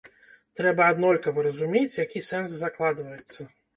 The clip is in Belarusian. Трэба аднолькава разумець, які сэнс закладваецца.